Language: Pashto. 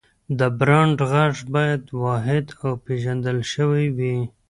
د برانډ غږ باید واحد او پېژندل شوی وي.